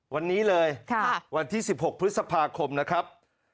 วันนี้เลยวันที่๑๖พฤษภาคมนะครับ